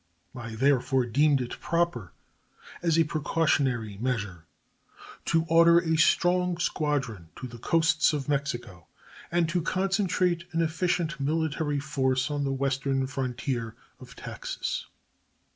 I therefore deemed it proper, as a precautionary measure, to order a strong squadron to the coasts of Mexico and to concentrate an efficient military force on the western frontier of Texas.